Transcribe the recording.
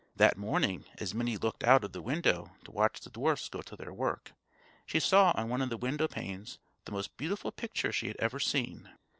That morning, as Minnie looked out of the window to watch the dwarfs go to their work, she saw on one of the window panes the most beautiful picture she had ever seen.